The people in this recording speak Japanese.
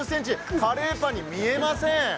カレーパンに見えません。